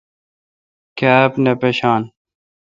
کاب نہ پشان۔